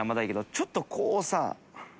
ちょっとこうさ。